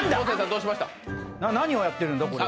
何をやってるんだ、これは。